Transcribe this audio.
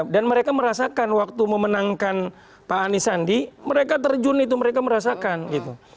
dan mereka merasakan waktu memenangkan pak anis sandi mereka terjun itu mereka merasakan gitu